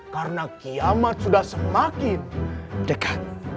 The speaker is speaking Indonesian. karena kiamat sudah semakin dekat